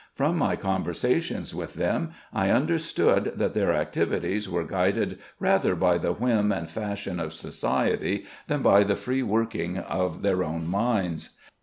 From my conversations with them I understood that their activities were guided rather by the whim and fashion of society than by the free working of their own minds.